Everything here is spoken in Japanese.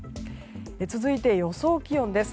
続いて、予想気温です。